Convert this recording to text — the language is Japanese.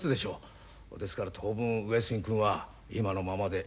ですから当分上杉君は今のままで。